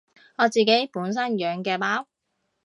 我自己本身養嘅貓